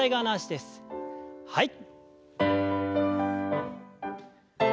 はい。